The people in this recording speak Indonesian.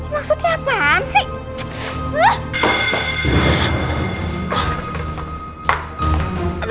maksudnya apaan sih